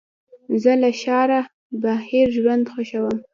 زه له ښاره بهر ژوند خوښوم.